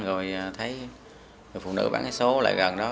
rồi thấy phụ nữ bán vé số lại gần đó